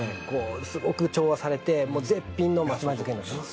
すごく調和されて絶品の松前漬になってます。